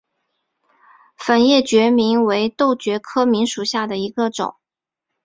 粉叶决明为豆科决明属下的一个种。